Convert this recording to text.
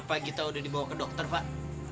apa gita sudah dibawa ke dokter pak